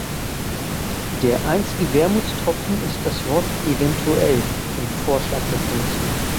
Der einzige Wermutstropfen ist das Wort "eventuell" im Vorschlag der Kommission.